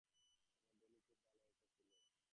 আমার ড্যানি খুব ভালো একটা ছেলে।